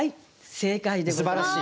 正解でございます。